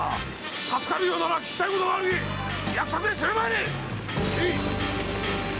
助かるようなら訊きたいことがあるゆえ役宅へ連れ参れ！